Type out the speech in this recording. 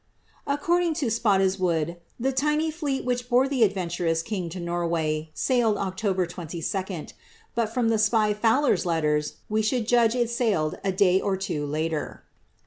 Ac cording to Spottiswoode, the tiny fleet which bore the adventurous king to Norway, sailed October 22d ; but from the spy Fowler's letters, we should judge it sailed a day or two later.'